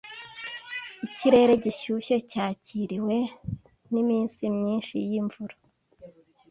Ikirere gishyushye cyakurikiwe niminsi myinshi yimvura.